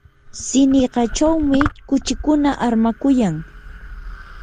siniqachawmi kuchikuna armakuyan.